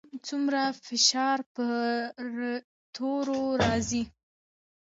څومره فشار پر تورو راځي؟